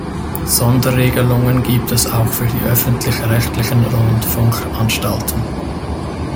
Sonderregelungen gibt es auch für die öffentlich-rechtlichen Rundfunkanstalten.